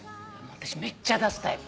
私めっちゃ出すタイプ。